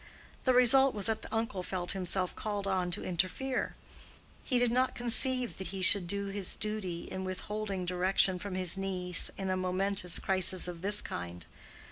The result was that the uncle felt himself called on to interfere; he did not conceive that he should do his duty in witholding direction from his niece in a momentous crisis of this kind.